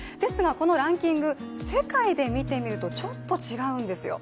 このランキング世界で見てみるとちょっと違うんですよ。